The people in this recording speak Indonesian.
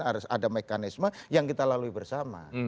harus ada mekanisme yang kita lalui bersama